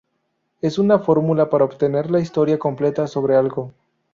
Es una fórmula para obtener la historia "completa" sobre algo.